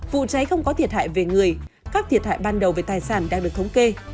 vụ cháy không có thiệt hại về người các thiệt hại ban đầu về tài sản đang được thống kê